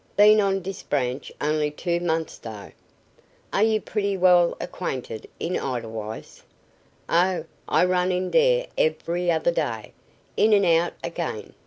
Been on dis branch only two months, dough." "Are you pretty well acquainted in Edelweiss?'' "Oh, I run in dere every other day in an' out ag'in.